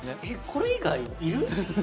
これ以外いる？